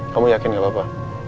kamu yakin gak apa apa